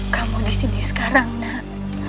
kamu disini sekarang nak